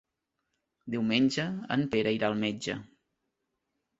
Diumenge en Pere irà al metge.